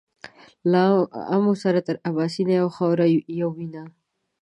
له آمو تر اباسینه یوه خاوره یو وینه